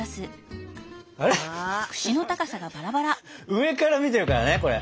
上から見てるからねこれ。